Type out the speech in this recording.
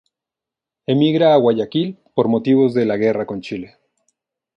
Emigra a Guayaquil por motivos de la Guerra con Chile.